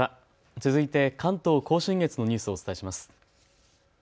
続いて関東甲信越のニュースをお伝えします。